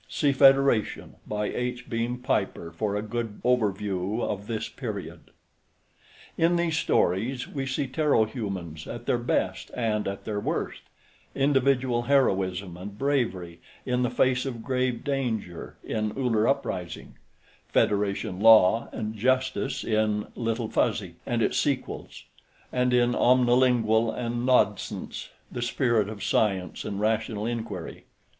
(See Federation by H. Beam Piper for a good overview of this period.) In these stories we see Terro Humans at their best and at their worst: Individual heroism and bravery in the face of grave danger in Uller Uprising; Federation law and justice in Little Fuzzy and its sequels; and, in "Omnilingual" and "Naudsonce," the spirit of science and rational inquiry.